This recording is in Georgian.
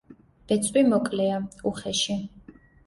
ბეწვი მოკლეა, უხეში.